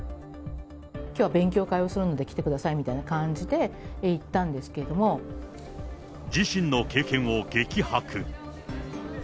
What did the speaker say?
きょうは勉強会をするので来てくださいみたいな感じで行った自身の経験を激白。